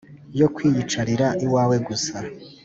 yo kwiyicarira iwawe gusa